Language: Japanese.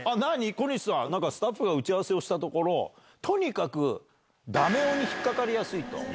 小西さん、なんかスタッフが打ち合わせをしたところ、とにかくダメ男に引っ掛かりやすいと。